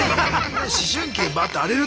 思春期でバッて荒れる。